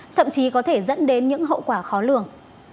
thậm chí có thể dẫn đến những hậu quả khó lường